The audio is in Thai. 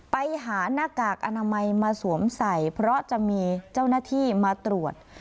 ไปหาหน้ากากอนามัยมาสวมใส่เพราะจะมีเจ้าหน้าที่มาตรวจ